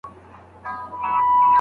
د پردي زوی څخه خپله لور ښه ده.